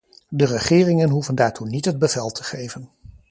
De regeringen hoeven daartoe niet het bevel te geven.